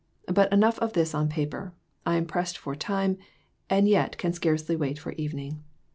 But enough of this on paper; I am pressed for time, and yet can scarcely wait for evening.